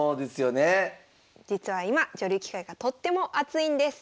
実は今女流棋界がとっても熱いんです！